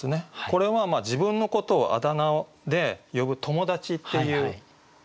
これは自分のことをあだ名で呼ぶ友達っていう意味ですよね。